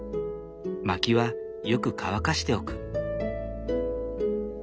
薪はよく乾かしておく。